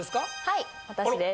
はい私です。